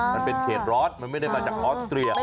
มันเป็นเขตร้อนมันไม่ได้มาจากออสเตรีย